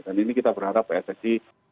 dan ini kita berharap pssi